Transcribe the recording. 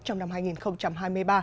trong năm hai nghìn hai mươi ba